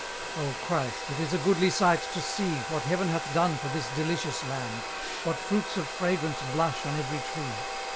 Oh, Christ! it is a goodly sight to see What Heaven hath done for this delicious land! What fruits of fragrance blush on every tree!